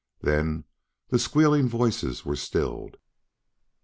Then the squealing voices were stilled!